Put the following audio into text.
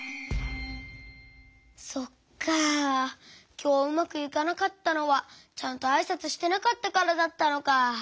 きょううまくいかなかったのはちゃんとあいさつしてなかったからだったのか。